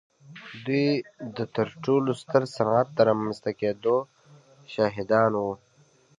دوی د تر ټولو ستر صنعت د رامنځته کېدو شاهدان وو.